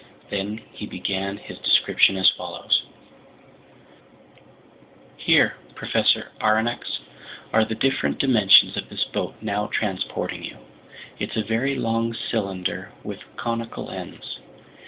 Then he began his description as follows: "Here, Professor Aronnax, are the different dimensions of this boat now transporting you. It's a very long cylinder with conical ends.